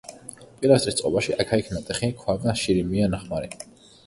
პილასტრის წყობაში აქა-იქ ნატეხი ქვა და შირიმია ნახმარი.